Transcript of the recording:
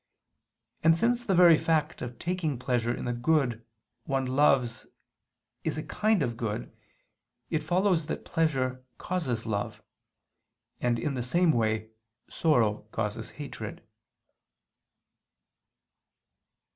And since the very fact of taking pleasure in the good one loves is a kind of good, it follows that pleasure causes love. And in the same way sorrow causes hatred.